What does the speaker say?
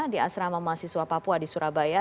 di asrama mahasiswa papua di surabaya